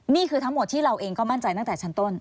นี่คือทั้งหมดที่เราเองก็มั่นใจตั้งแต่ชั้นต้น